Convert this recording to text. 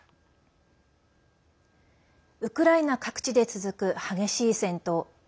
ウクライナ各地で続く激しい戦闘。